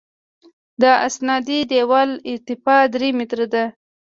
د استنادي دیوال ارتفاع درې متره ده